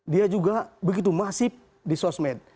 dia juga begitu masif di sosmed